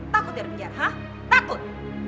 takut dari dia hah takut